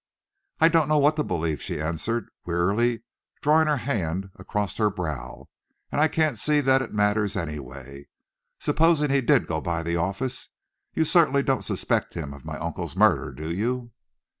"I don't know what I believe," she answered, wearily drawing her hand across her brow. "And I can't see that it matters anyway. Supposing he did go by the office, you certainly don't suspect him of my uncle's murder, do you?"